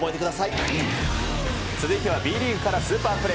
続いてはＢリーグからスーパープレー。